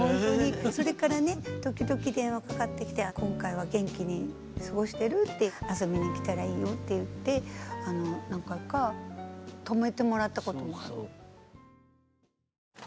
それからね時々電話かかってきて「今回は元気に過ごしてる？」って「遊びに来たらいいよ」って言って何回か泊めてもらったこともある。